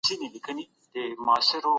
څنګه نړیوال سازمان پر نورو هیوادونو اغیز کوي؟